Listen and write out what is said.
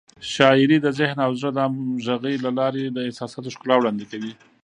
شاعري د ذهن او زړه د همغږۍ له لارې د احساساتو ښکلا وړاندې کوي.